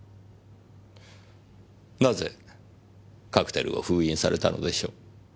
なぜカクテルを封印されたのでしょう？